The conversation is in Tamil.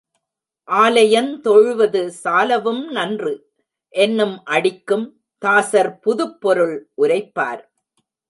ஆலயந் தொழுவது சாலவும் நன்று என்னும் அடிக்கும் தாசர் புதுப்பொருள் உரைப்பார்.